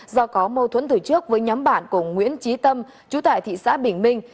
do có mâu thuẫn từ trước với nhóm bạn của nguyễn trí tâm chú tại thị xã bình minh